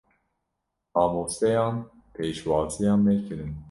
Mamosteyan pêşwaziya me kirin.